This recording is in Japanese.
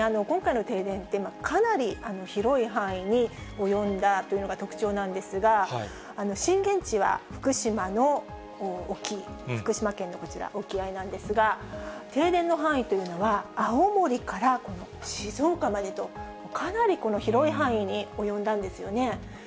今回の停電というのは、かなり広い範囲に及んだというのが特徴なんですが、震源地は福島の沖、福島県のこちら、沖合なんですが、停電の範囲というのは、青森からこの静岡までと、かなり広い範囲に及んだんですよね。